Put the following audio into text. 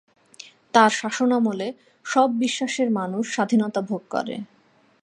তার শাসনামলে সব বিশ্বাসের মানুষ স্বাধীনতা ভোগ করে।